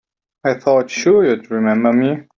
I thought sure you'd remember me.